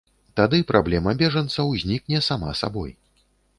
Тады праблема бежанцаў знікне сама сабой.